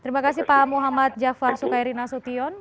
terima kasih pak muhammad jafar sukairi nasution